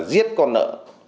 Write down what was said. giết con nợ